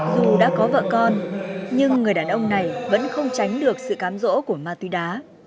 dù đã có vợ con nhưng người đàn ông này vẫn không tránh được sự cám rỗ của ma túy đá